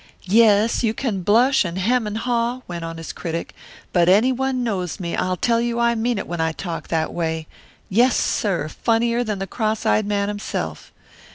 "Yes, you can blush and hem and haw," went on his critic, "but any one knows me I'll tell you I mean it when I talk that way yes, sir, funnier than the cross eyed man himself.